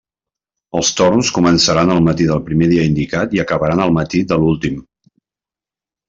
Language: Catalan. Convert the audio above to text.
Els torns començaran el matí del primer dia indicat i acabaran el matí de l'últim.